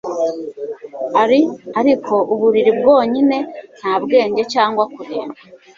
Ari ariko uburiri bwonyine nta bwenge cyangwa kureba